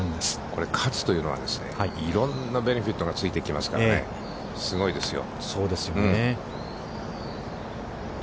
これ、勝つというのは、いろんなベネフィットがついてきますからね、すごいですよ。